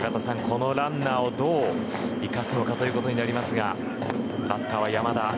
このランナーをどう生かすのかということになりますが。